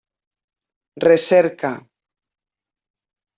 Recerca.